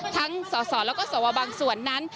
สสแล้วก็สวบางส่วนนั้น